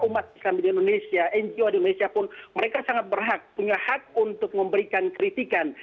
umat islam di indonesia ngo di indonesia pun mereka sangat berhak punya hak untuk memberikan kritikan